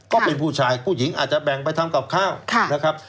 ก็เป็นผู้ชายผู้หญิงอาจจะแบ่งไปทำกับข้าวนะครับ